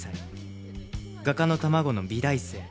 画家の卵の美大生